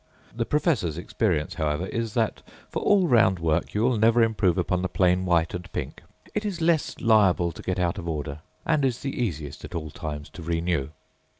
The professorâs experience, however, is that for all round work you will never improve upon the plain white and pink. It is less liable to get out of order, and is the easiest at all times to renew.